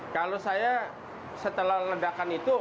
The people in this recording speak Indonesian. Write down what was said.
kalau saya setelah ledakan itu